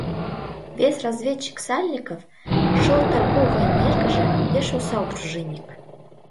Вес разведчик Сальников, шыл торговойын эргыже, пеш осал дружинник.